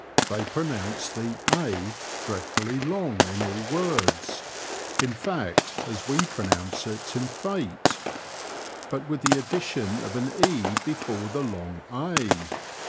They pronounce the a dreadfully long in all words — in fact, as we pronounce it in "fate," but with the addition of an e before the long a.